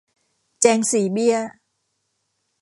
แจงสี่เบี้ย